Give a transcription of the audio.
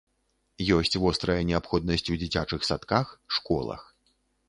Ёсць вострая неабходнасць у дзіцячых садках, школах.